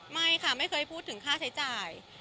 ไม่ค่ะไม่เคยพูดถึงค่าใช้จ่าย